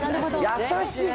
優しい。